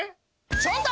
ちょっと！